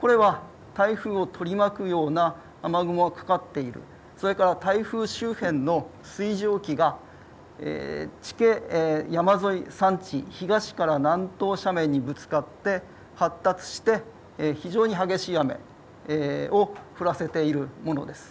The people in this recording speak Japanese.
これは台風を取り巻くような雨雲がかかっているそれから台風周辺の水蒸気が山沿い、山地、東から南東斜面にぶつかって発達して非常に激しい雨を降らせているものです。